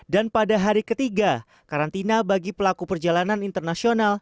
dan pada hari ketiga karantina bagi pelaku perjalanan internasional